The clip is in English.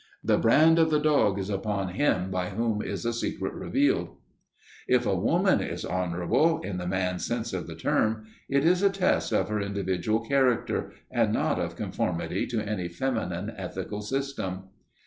"The brand of the dog is upon him by whom is a secret revealed." If a woman is honourable (in the man's sense of the term), it is a test of her individual character, and not of conformity to any feminine ethical system.